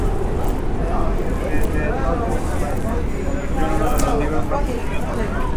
His brother, Jonas, was also a member of the Legislative Assembly.